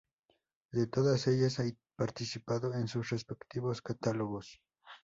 De todas ellas ha participado en sus respectivos catálogos.